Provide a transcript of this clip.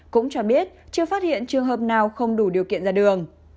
cũng cho biết chưa phát hiện trường hợp nào không đủ điều kiện ra đường